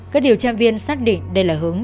các điều tra viên xác định đây là hướng